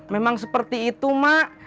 memang seperti itu mak